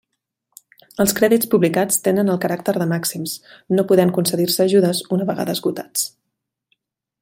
Els crèdits publicats tenen el caràcter de màxims, no podent concedir-se ajudes una vegada esgotats.